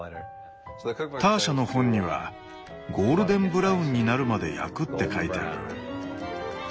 ターシャの本には「ゴールデンブラウンになるまで焼く」って書いてある。